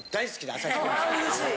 あうれしい。